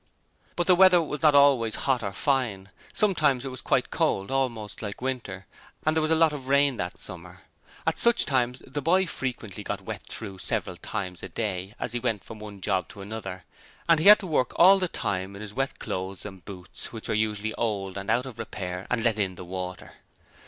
But the weather was not always hot or fine: sometimes it was quite cold, almost like winter, and there was a lot of rain that summer. At such times the boy frequently got wet through several times a day as he went from one job to another, and he had to work all the time in his wet clothes and boots, which were usually old and out of repair and let in the water.